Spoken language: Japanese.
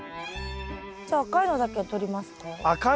じゃあ赤いのだけとりますか？